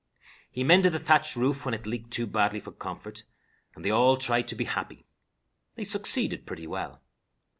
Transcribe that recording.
He mended the thatched roof when it leaked too badly for comfort, and they all tried to be happy. They succeeded pretty well.